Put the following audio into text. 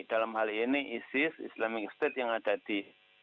dalam hal ini isis islamic state yang ada di